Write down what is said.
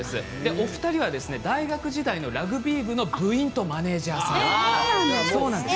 お二人は大学時代のラグビー部の部員とマネージャーです。